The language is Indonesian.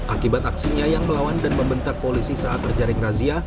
akibat aksinya yang melawan dan membentak polisi saat terjaring razia